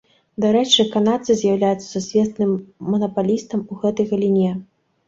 Дарэчы, канадцы з'яўляюцца сусветным манапалістам у гэтай галіне.